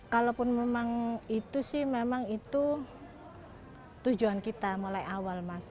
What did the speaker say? kalaupun memang itu sih memang itu tujuan kita mulai awal mas